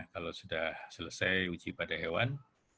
kalau sudah selesai uji pada hewan